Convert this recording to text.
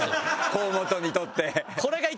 河本にとって。